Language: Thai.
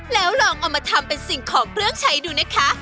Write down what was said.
แล้วลองเอามาทำเป็นสิ่งของเครื่องใช้ดูนะคะ